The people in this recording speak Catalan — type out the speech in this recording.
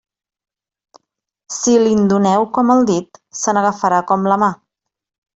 Si li'n doneu com el dit, se n'agafarà com la mà.